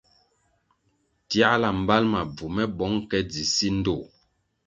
Tiahla mbal ma bvu me bong ke dzi si ndtoh.